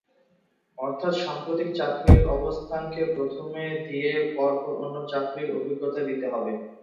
অর্থাৎ সাম্প্রতিক চাকরির অবস্থানকে প্রথমে দিয়ে পর পর অন্য চাকরির অভিজ্ঞতা দিতে হবে।